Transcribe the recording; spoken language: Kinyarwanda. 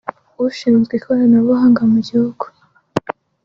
ushinzwe ikoranabuhanga mu gihugu